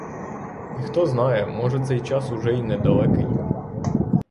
І хто знає, може, цей час уже й недалекий.